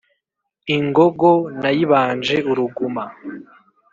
Ingogo nayibanje uruguma